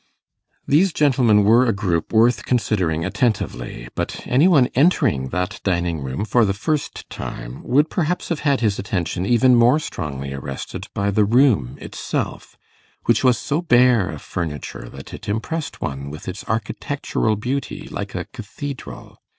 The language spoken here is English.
These gentlemen were a group worth considering attentively; but any one entering that dining room for the first time, would perhaps have had his attention even more strongly arrested by the room itself, which was so bare of furniture that it impressed one with its architectural beauty like a cathedral.